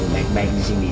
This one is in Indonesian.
baik baik di sini ya